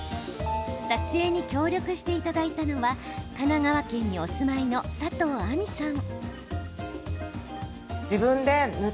撮影に協力していただいたのは神奈川県にお住まいの佐藤亜美さん。